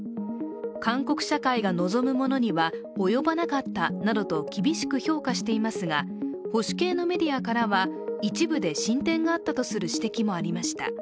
韓国社会が望むものには及ばなかったなどと厳しく評価していますが、保守系のメディアからは一部で進展があったとする指摘もありました。